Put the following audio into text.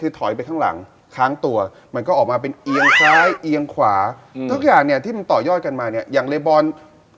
อืมเพราะมีกระโดดแหกปากด้วยยังไงก็อ๋อเหนียบเงาโอโห